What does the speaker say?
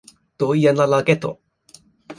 Do, jen la lageto